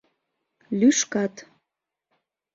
Лӱшкат.